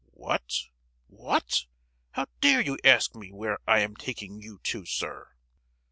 "What—what? How dare you ask me where I am taking you to, sir!"